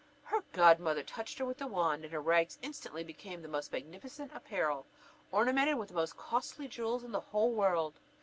Her godmother touched her with the wand, and her rags instantly became the most magnificent apparel, ornamented with the most costly jewels in the whole world.